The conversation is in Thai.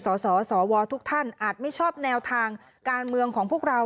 สวทุกท่านอาจไม่ชอบแนวทางการเมืองของพวกเรา